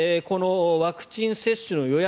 ワクチン接種の予約